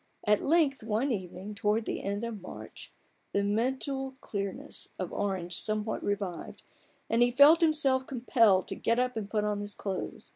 At length, one evening towards the end of March, the mental clearness of Orange some what revived, and he felt himself compelled to get up and put on his clothes.